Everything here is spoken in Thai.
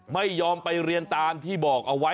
ไม่ยอมไปเรียนตามที่บอกไง